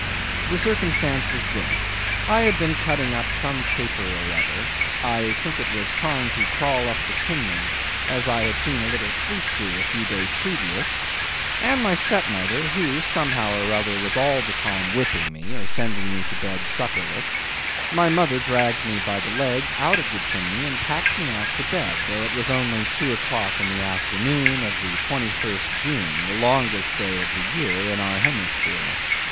The circumstance was this. I had been cutting up some caper or other—I think it was trying to crawl up the chimney, as I had seen a little sweep do a few days previous; and my stepmother who, somehow or other, was all the time whipping me, or sending me to bed supperless,—my mother dragged me by the legs out of the chimney and packed me off to bed, though it was only two o'clock in the afternoon of the 21st June, the longest day in the year in our hemisphere.